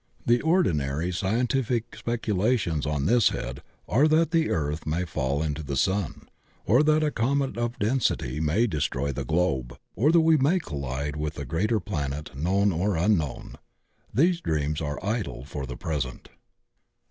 The ordinary scientific speculations on this head are that the earth may fall into the sun, or that a comet of density may destroy the globe, or that CIVILIZATION CYCLES BACK 119 we may collide with a greater planet known or un known. These dreams are idle for the present.